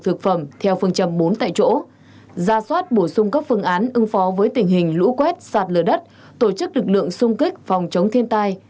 thực phẩm theo phương châm bốn tại chỗ ra soát bổ sung các phương án ứng phó với tình hình lũ quét sạt lở đất tổ chức lực lượng sung kích phòng chống thiên tai